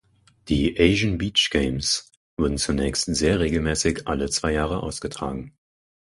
Die "Asian Beach Games" wurden zunächst sehr regelmäßig alle zwei Jahre ausgetragen.